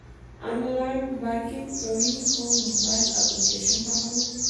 آنلاین بانکینګ کوئ؟ هو، موبایل اپلیکیشن کاروم